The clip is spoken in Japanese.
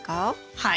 はい。